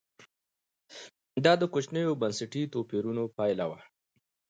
دا د کوچنیو بنسټي توپیرونو پایله وه.